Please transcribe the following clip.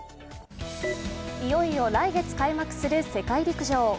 いよいよ来月開幕する世界陸上。